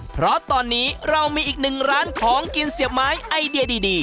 เพราะตอนนี้เรามีอีกหนึ่งร้านของกินเสียบไม้ไอเดียดี